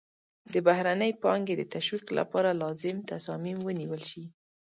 د بهرنۍ پانګې د تشویق لپاره لازم تصامیم ونیول شي.